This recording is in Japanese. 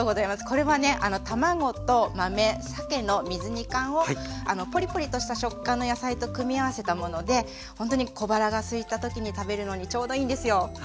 これはね卵と豆さけの水煮缶をポリポリとした食感の野菜と組み合わせたものでほんとに小腹がすいた時に食べるのにちょうどいいんですよ。